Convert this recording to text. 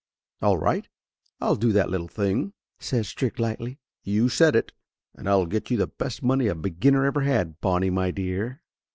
"All right, I'll do that little thing!" says Strick lightly. "You said it ! And I'll get you the best money a beginner ever had, Bonnie, my dear!"